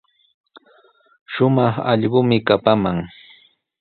Shumaq allquumi kapaman.